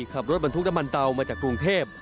ขับรถบรรทุกน้ำมันเตามาจากกรุงเทพ